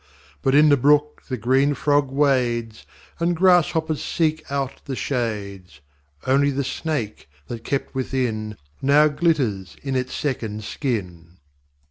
But in the brook the green Frog wades; And Grass hoppers seek out the shades. Only the Snake, that kept within, Now glitters in its second skin.